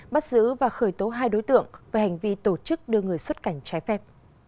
bắt giữ và khởi tố hai đối tượng về hành vi tổ chức đưa người xuất cảnh trái phép